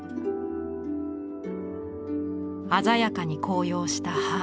鮮やかに紅葉した葉。